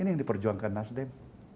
ini yang diperjuangkan nasdem